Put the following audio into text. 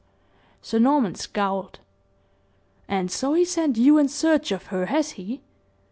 Sir Norman scowled. "And so he sent you in search of her, has he?"